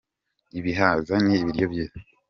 ibihaza ni ibiryo byiza